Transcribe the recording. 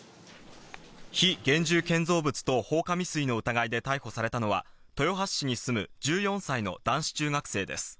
非現住建造物等放火未遂の疑いで逮捕されたのは、豊橋市に住む、１４歳の男子中学生です。